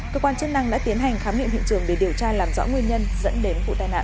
cơ quan chức năng đã tiến hành khám nghiệm hiện trường để điều tra làm rõ nguyên nhân dẫn đến vụ tai nạn